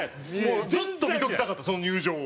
ずっと見ておきたかったその入場を。